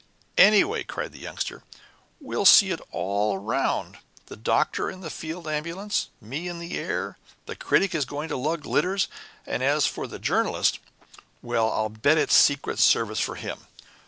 "Anyway," cried the Youngster, "we'll see it all round the Doctor in the Field Ambulance, me in the air, the Critic is going to lug litters, and as for the Journalist well, I'll bet it's secret service for him!